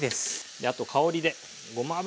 であと香りでごま油！